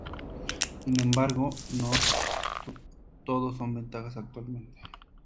Sin embargo, no todo son ventajas actualmente.